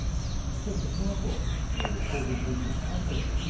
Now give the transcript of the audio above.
しかし、そのあと公表すると変わったわけですね。